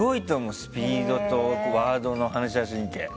スピードとワードの反射神経。